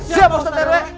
siap bapak t r w